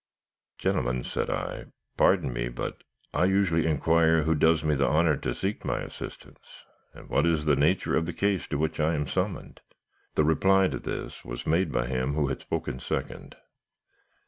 "'Gentlemen,' said I, 'pardon me; but I usually inquire who does me the honour to seek my assistance, and what is the nature of the case to which I am summoned.' "The reply to this was made by him who had spoken second.